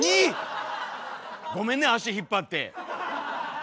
ごめんね足引っ張って。